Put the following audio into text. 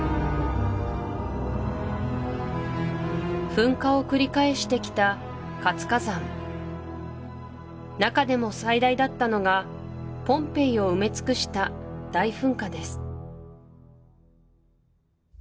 噴火を繰り返してきた活火山中でも最大だったのがポンペイを埋め尽くした大噴火です